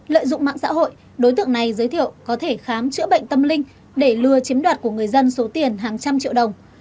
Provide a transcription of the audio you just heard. lợi dụng mạng xã hội đối tượng này giới thiệu có thể khám chữa bệnh tâm linh để lừa chiếm đoạt của người dân số tiền hàng trăm triệu đồng